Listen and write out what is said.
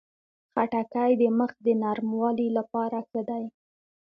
خټکی د مخ د نرموالي لپاره ښه دی.